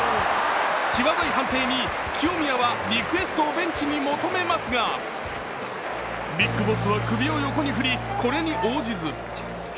きわどい判定に清宮はリクエストをベンチに求めますがＢＩＧＢＯＳＳは首を横に振りこれに応じず。